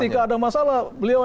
tapi ketika ada masalah beliau